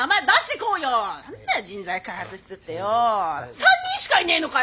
３人しかいねえのかよ